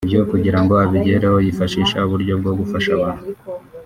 Ibyo kugira ngo abigereho yifashisha uburyo bwo gufasha abantu